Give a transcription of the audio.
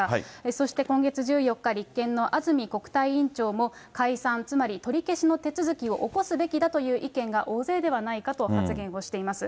そして、今月１４日、立憲の安住国対委員長も解散、つまり取り消しの手続きを起こすべきだという意見が大勢ではないかと発言をしています。